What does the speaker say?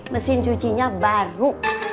mesin cucinya baru